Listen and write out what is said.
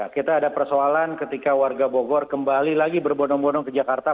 kita ada persoalan ketika warga bogor kembali lagi berbonong bonong ke jakarta